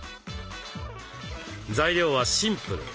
材料はシンプル。